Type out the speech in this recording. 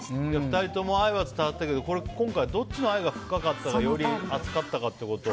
２人とも愛は伝わったけど今回、どっちの愛が深かったか、より熱かったかを。